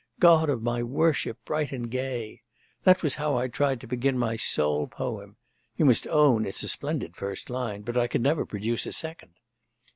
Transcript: "God of my worship, bright and gay!" That was how I tried to begin my sole poem; you must own it's a splendid first line, but I could never produce a second.